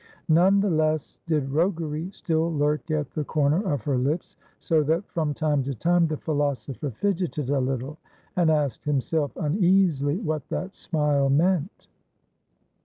None the less did roguery still lurk at the corner of her lips, so that from time to time the philosopher fidgeted a little, and asked himself uneasily what that smile meant.